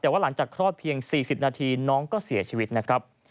แต่ว่าหลังจากคลอดเพียง๔๐นาทีน้องก็เสียชีวิตนะครับ